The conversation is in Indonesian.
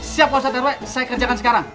siap pak ustadz rw saya kerjakan sekarang